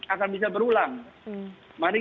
akan bisa berulang mari